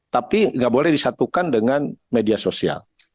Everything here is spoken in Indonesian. tapi nggak boleh disatukan dengan media sosial